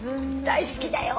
大好きだよ。